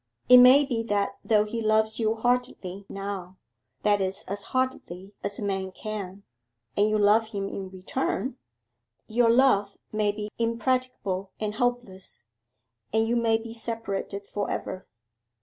It may be that though he loves you heartily now that is, as heartily as a man can and you love him in return, your loves may be impracticable and hopeless, and you may be separated for ever.